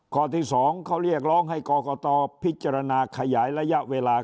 ข้อที่๒เขาเรียกร้องให้กรกตพิจารณาขยายระยะเวลา